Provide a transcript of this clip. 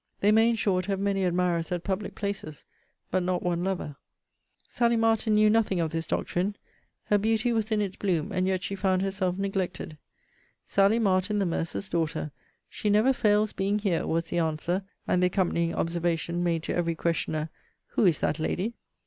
They may, in short, have many admirers at public places, but not one lover. Sally Martin knew nothing of this doctrine. Her beauty was in its bloom, and yet she found herself neglected. 'Sally Martin, the mercer's daughter: she never fails being here;' was the answer, and the accompanying observation, made to every questioner, Who is that lady?